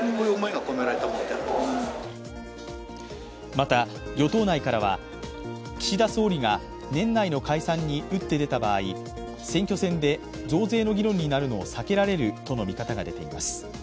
また、与党内からは、岸田総理が年内の解散に打って出た場合、選挙戦で増税の議論になるのを避けられるとの見方が出ています。